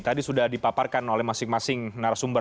tadi sudah dipaparkan oleh masing masing narasumber